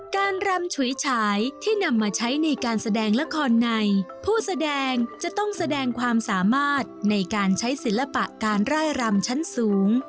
รำฉุยฉายที่นำมาใช้ในการแสดงละครในผู้แสดงจะต้องแสดงความสามารถในการใช้ศิลปะการร่ายรำชั้นสูง